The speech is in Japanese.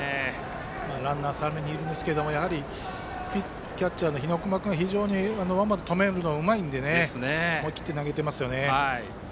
ランナー、三塁にいるんですがやはりキャッチャーの日隈君がワンバウンドを止めるのがうまいので思い切って投げていますよね。